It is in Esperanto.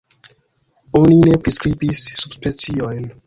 Oni ne priskribis subspeciojn.